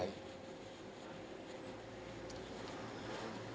ใช้เต็มทาง